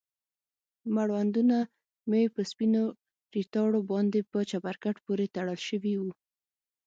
مړوندونه مې په سپينو ريتاړو باندې په چپرکټ پورې تړل سوي وو.